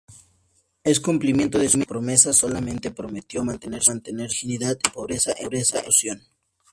En cumplimiento de su promesa, solemnemente prometió mantener su virginidad y pobreza en reclusión.